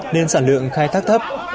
nên sản lượng khai thác thấp